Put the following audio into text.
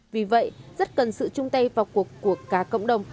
vì vậy rất cần sự chung tay vào cuộc của cả cộng đồng